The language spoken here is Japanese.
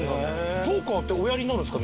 ポーカーっておやりになるんですか？